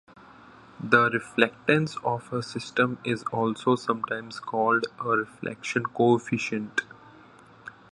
The reflectance of a system is also sometimes called a "reflection coefficient".